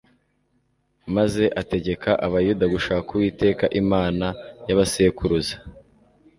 maze ategeka Abayuda gushaka Uwiteka Imana ya ba sekuruza